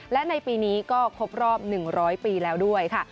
และในปีนี้ก็ครบรอบ๑๐๐ปีแล้วด้วยค่ะ